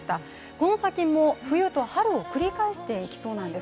この先も冬と春を繰り返していきそうなんです。